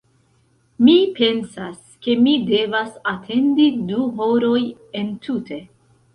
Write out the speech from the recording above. Mi pensas ke mi devas atendi du horoj entute